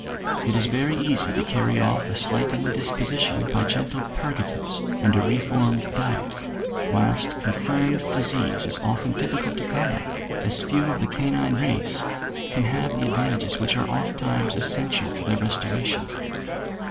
It is very easy to carry off a slight indisposition by gentle purgatives and a reformed diet: whilst confirmed disease is often difficult to combat, as few of the canine race can have the advantages which are ofttimes essential to their restoration.